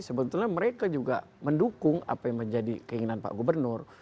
sebetulnya mereka juga mendukung apa yang menjadi keinginan pak gubernur